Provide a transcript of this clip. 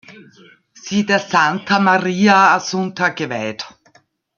Sie der Santa Maria Assunta geweiht.